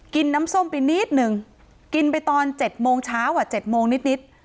น้ำส้มไปนิดนึงกินไปตอน๗โมงเช้า๗โมงนิด